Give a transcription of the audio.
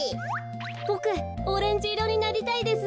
ボクオレンジいろになりたいです。